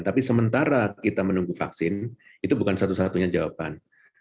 tapi sementara kita menunggu vaksin itu bukan satu satunya jawaban